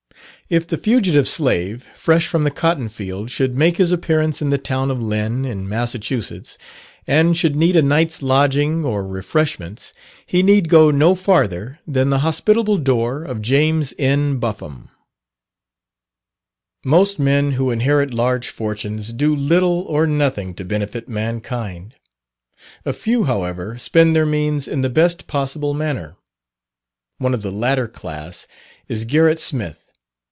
If the fugitive slave, fresh from the cotton field, should make his appearance in the town of Lynn, in Massachusetts, and should need a night's lodging or refreshments, he need go no farther than the hospitable door of James N. Buffum. Most men who inherit large fortunes, do little or nothing to benefit mankind. A few, however, spend their means in the best possible manner: one of the latter class is Gerrit Smith.